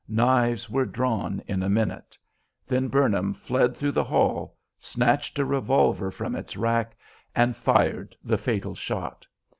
Knives were drawn in a minute. Then Burnham fled through the hall, snatched a revolver from its rack, and fired the fatal shot.